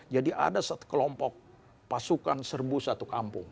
jadi ada satu kelompok pasukan serbu satu kampung